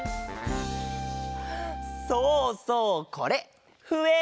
そうそうこれふえ！